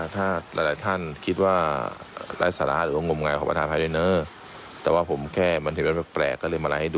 ถ้าคิดว่ารักษรห์อยู่ใจ